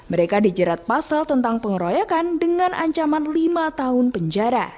mereka dijerat pasal tentang pengeroyokan dengan ancaman lima tahun penjara